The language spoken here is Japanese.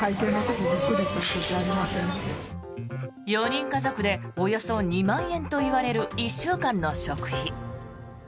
４人家族でおよそ２万円といわれる１週間の食費。